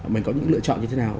mình có những lựa chọn như thế nào